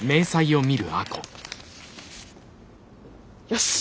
よし。